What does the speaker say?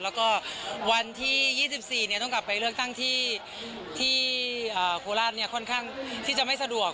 แล้วก็วันที่๒๔ต้องกลับไปเลือกตั้งที่โคราชค่อนข้างที่จะไม่สะดวก